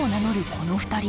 この２人。